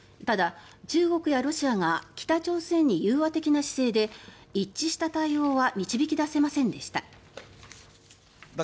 ただ、中国やロシアが北朝鮮に融和的な姿勢で一致した対応は導き出せませんでした。